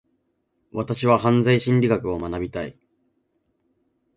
私は犯罪心理学を学びたい。